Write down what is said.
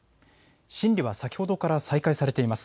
審理は先ほどから再開されています。